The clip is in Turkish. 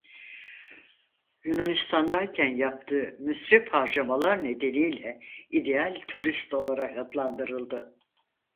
Yunanistan'dayken yaptığı "müsrif harcamalar" nedeniyle "ideal turist" olarak adlandırıldı.